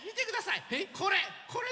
これ！